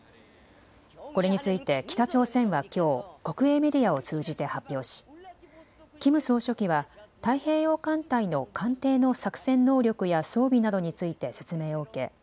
これについて北朝鮮はきょう国営メディアを通じて発表しキム総書記は太平洋艦隊の艦艇の作戦能力や装備などについて説明を受け